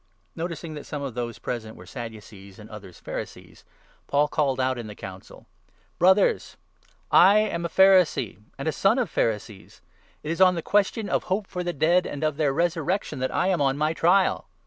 Noticing that some of those present were Sadducees and others 6 Pharisees, Paul called out in the Council : 1 " Brothers, I am a Pharisee and a son of Pharisees. It is on the question of hope for the dead and of their resurrection that I am on my trial."